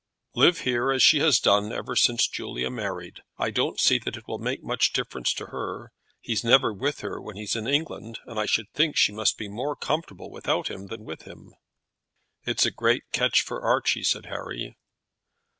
"Live here as she has done ever since Julia married. I don't see that it will make much difference to her. He's never with her when he's in England, and I should think she must be more comfortable without him than with him." "It's a great catch for Archie," said Harry.